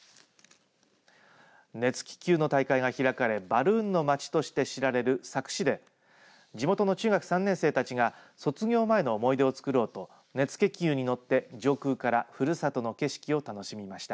熱気球の大会が開かれバルーンのまちとして知られる佐久市で地元の中学３年生たちが卒業前の思い出を作ろうと熱気球に乗って上空からふるさとの景色を楽しみました。